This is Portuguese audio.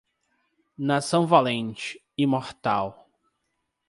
Nação valente, imortal